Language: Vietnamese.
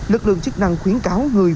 lực lượng chức năng khuyến cáo người